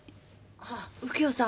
あ右京さん